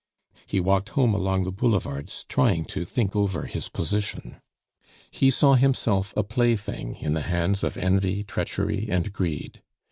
He walked home along the Boulevards trying to think over his position. He saw himself a plaything in the hands of envy, treachery, and greed.